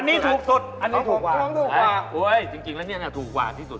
อันนี้ถูกสุดอันนี้ถูกกว่าจริงแล้วเนี่ยถูกกว่าที่สุด